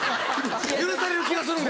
許される気がするんです。